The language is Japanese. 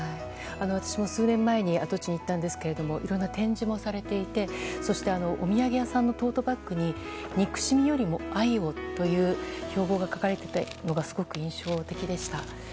私も数年前に跡地に行ったんですけれどもいろいろ、展示もされていてそしてお土産屋さんのトートバッグに「憎しみよりも愛を」という標語が書かれていたのがすごく印象的でした。